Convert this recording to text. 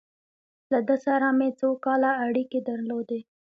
له ده سره مې څو کاله اړیکې درلودې.